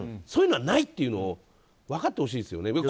そういうのはないというのを分かってほしいですよね。